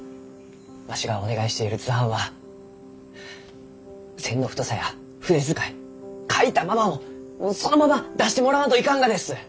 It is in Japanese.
わしがお願いしている図版は線の太さや筆遣い描いたままをそのまま出してもらわんといかんがです！